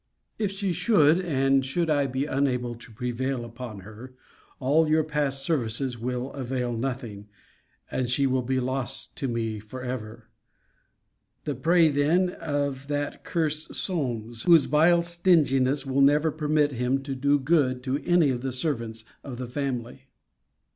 If she should, and should I be unable to prevail upon her, all your past services will avail nothing, and she will be lost to me for ever: the prey then of that cursed Solmes, whose vile stinginess will never permit him to do good to any of the servants of the family.